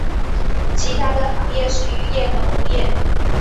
其它的行业是渔业和农业。